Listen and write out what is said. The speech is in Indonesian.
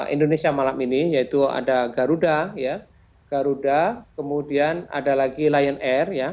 indonesia malam ini yaitu ada garuda garuda kemudian ada lagi lion air